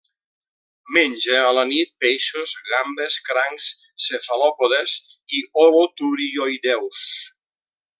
Menja, a la nit, peixos, gambes, crancs, cefalòpodes i holoturioïdeus.